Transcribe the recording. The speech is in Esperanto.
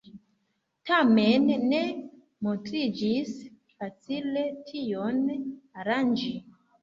Tamen ne montriĝis facile tion aranĝi.